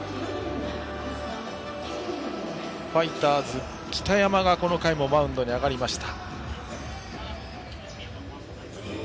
ファイターズ、北山がこの回もマウンドに上がりました。